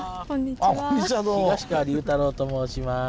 東川隆太郎と申します。